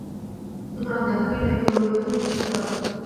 সুতরাং দেখা গেল, এই অবিবেকই দুঃখের কারণ।